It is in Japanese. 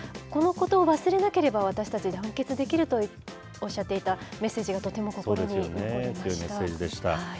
このことを忘れなければ、私たち、団結できるとおっしゃっていたメッセージがとても心に残りました。